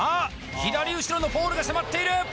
左後ろのポールが迫っている！